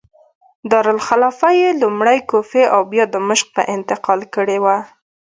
دارالخلافه یې لومړی کوفې او بیا دمشق ته انتقال کړې وه.